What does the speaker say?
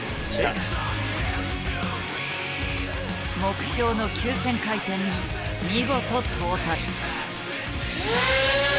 目標の９，０００回転に見事到達。